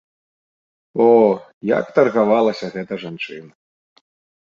О, як таргавалася гэта жанчына!